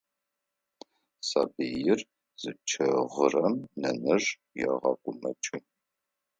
Сабыир зыкӏэгъырэм нэнэжъ егъэгумэкӏы.